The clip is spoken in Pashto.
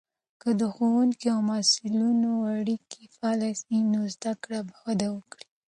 که د ښوونکو او محصلینو اړیکې فعاله سي، نو زده کړه به وده وکړي.